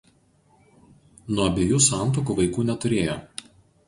Nuo abiejų santuokų vaikų neturėjo.